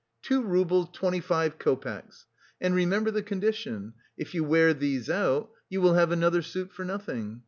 Two roubles twenty five copecks! And remember the condition: if you wear these out, you will have another suit for nothing!